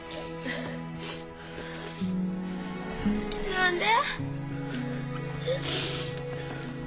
何で？